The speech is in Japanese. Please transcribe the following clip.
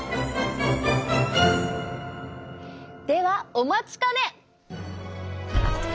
ではお待ちかね！